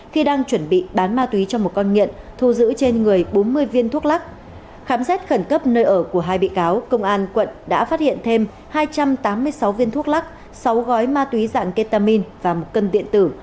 khám xét khẩn cấp nơi ở của hai bị cáo công an đã phát hiện thêm hai trăm tám mươi sáu viên thuốc lắc sáu gói ma túy dạng ketamine và một cân điện tử